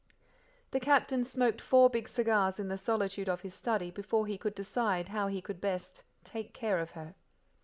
The Captain smoked four big cigars in the solitude of his study before he could decide how he could best "take care of her."